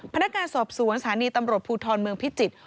พนักงานสอบสวนสถานีตำรวจภูทรเมืองพิจิตร